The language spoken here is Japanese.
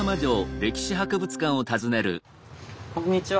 こんにちは。